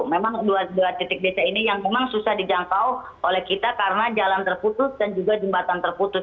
memang dua titik desa ini yang memang susah dijangkau oleh kita karena jalan terputus dan juga jembatan terputus